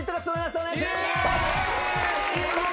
お願いしまーす！